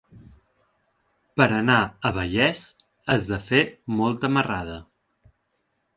Per anar a Vallés has de fer molta marrada.